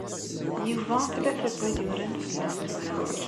Yuba tlata n wayyuren fell-as tura.